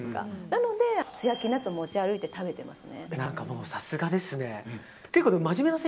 なので、素焼きナッツを持ち歩いて食べてます。